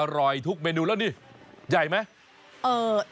อร่อยทุกเมนูแล้วนี่ใหญ่ไหม